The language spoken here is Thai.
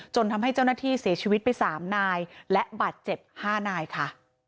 ทำให้เจ้าหน้าที่เสียชีวิตไป๓นายและบาดเจ็บ๕นายค่ะ